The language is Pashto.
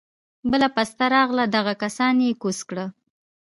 بله پسته راغله دغه کسان يې کوز کړه.